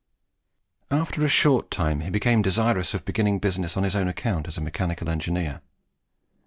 After a short time, he became desirous of beginning business on his own account as a mechanical engineer.